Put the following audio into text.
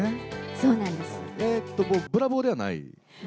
そうなんです。